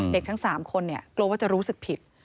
ทั้ง๓คนกลัวว่าจะรู้สึกผิด